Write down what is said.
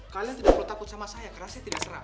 kalian tidak perlu takut sama saya karena saya tidak serang